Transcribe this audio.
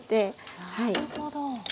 なるほど。